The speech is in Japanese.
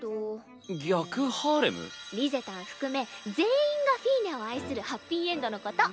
リゼたん含め全員がフィーネを愛するハッピーエンドのこと。